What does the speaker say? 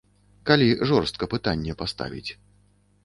Калі жорстка пытанне паставіць.